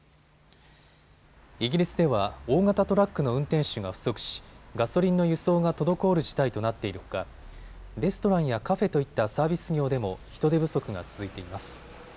イギリスでは大型トラックの運転手が不足しガソリンの輸送が滞る事態となっているほかレストランやカフェといったサービス業でも人手不足が続いています。